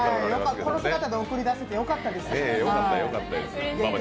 この姿で送り出せてよかったです。